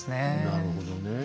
なるほどねえ。